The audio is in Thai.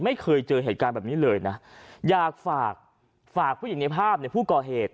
ไม่เคยเจอเหตุการณ์แบบนี้เลยนะอยากฝากฝากผู้หญิงในภาพในผู้ก่อเหตุ